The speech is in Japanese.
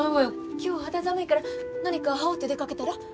今日肌寒いから何か羽織って出かけたら。